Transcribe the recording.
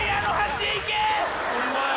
ホンマや。